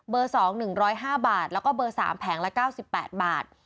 ๒๑๐๕บาทแล้วก็เบอร์๓แผงละ๙๘บาท